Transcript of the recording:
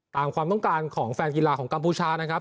ความต้องการของแฟนกีฬาของกัมพูชานะครับ